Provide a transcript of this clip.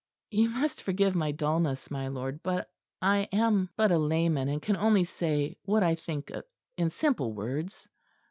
You must forgive my dulness, my lord; but I am but a layman, and can only say what I think in simple words."